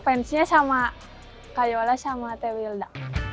fansnya sama kayola sama teh wilda